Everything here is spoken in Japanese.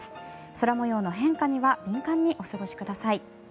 空模様の変化には敏感にお過ごしください。